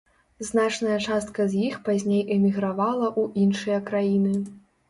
Значная частка з іх пазней эмігравала ў іншыя краіны.